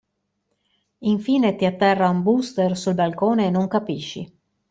Infine, ti atterra un booster sul balcone e non capisci.